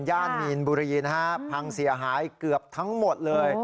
มีนบุรีนะฮะพังเสียหายเกือบทั้งหมดเลย